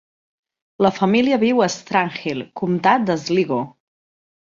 La família viu a Strandhill, comtat de Sligo.